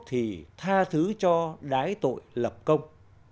thì tha thứ cho đái tội lập công